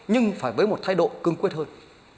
nhưng phải với một thái độ cưng quyết hơn